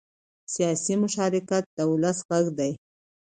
سیاسي مشارکت د ولس غږ دی